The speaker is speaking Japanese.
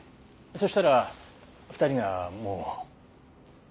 そしたら２人がもう。